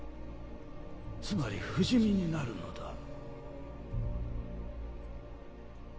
つまり不死身になるのだ